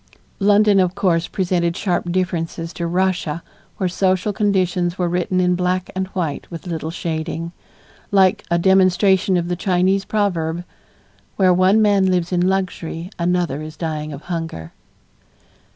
London, of course, presented sharp differences to Russia where social conditions were written in black and white with little shading, like a demonstration of the Chinese proverb, "Where one man lives in luxury, another is dying of hunger."